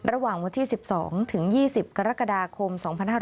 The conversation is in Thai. ระหว่างวันที่๑๒ถึง๒๐กรกฎาคม๒๕๕๙